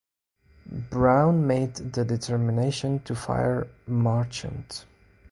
Brown made the determination to fire Marchant.